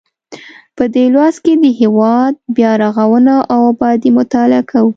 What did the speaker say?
په دې لوست کې د هیواد بیا رغونه او ابادي مطالعه کوو.